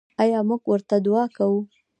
آیا موږ ورته دعا کوو؟